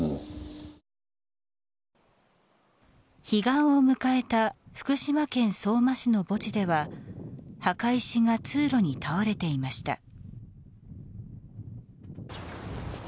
彼岸を迎えた福島県相馬市の墓地では墓石が通路に倒れていました。